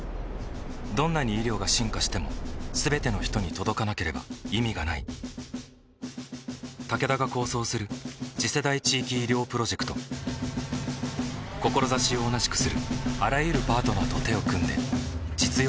どんなに医療が進化しても全ての人に届かなければ意味がないタケダが構想する次世代地域医療プロジェクト志を同じくするあらゆるパートナーと手を組んで実用化に挑む